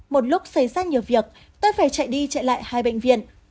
một lúc xảy ra nhiều việc tôi phải chạy đi chạy lại hai bệnh viện